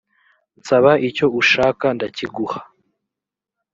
nsaba icyo ushaka ndakiguha